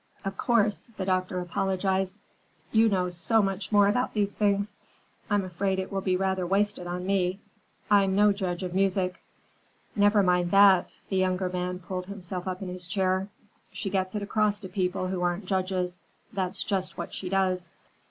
"Of course," the doctor apologized, "you know so much more about such things. I'm afraid it will be rather wasted on me. I'm no judge of music." "Never mind that." The younger man pulled himself up in his chair. "She gets it across to people who aren't judges. That's just what she does."